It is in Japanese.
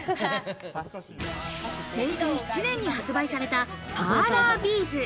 平成７年に発売されたパーラービーズ。